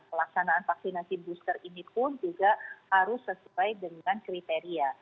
pelaksanaan vaksinasi booster ini pun juga harus sesuai dengan kriteria